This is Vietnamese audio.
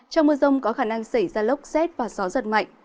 trong mưa rông có khả năng xảy ra lốc xét và gió giật mạnh